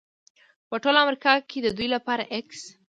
خو په ټول امریکا کې د دوی لپاره x